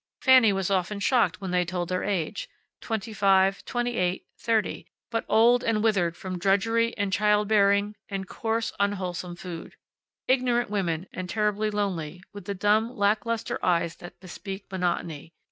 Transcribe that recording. Fanny was often shocked when they told their age twenty five, twenty eight, thirty, but old and withered from drudgery, and child bearing, and coarse, unwholesome food. Ignorant women, and terribly lonely, with the dumb, lack luster eyes that bespeak monotony.